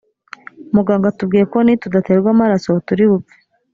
muganga atubwiye ko nitudaterwa amaraso turi bupfe